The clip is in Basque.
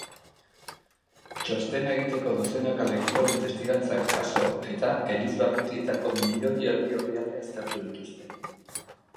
Txostena egiteko dozenaka lekukoren testigantzak jaso eta elizbarrutietako milioi erdi orrialde aztertu dituzte.